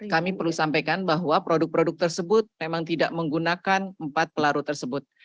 kami perlu sampaikan bahwa produk produk tersebut memang tidak menggunakan empat pelarut tersebut